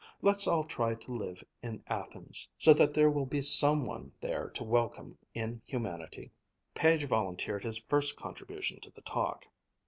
Let's all try to live in Athens so that there will be some one there to welcome in humanity." Page volunteered his first contribution to the talk.